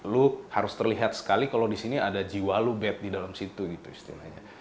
lo harus terlihat sekali kalau disini ada jiwa lo bad di dalam situ gitu istilahnya